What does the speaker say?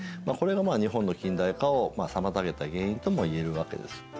まあこれが日本の近代化を妨げた原因ともいえるわけです。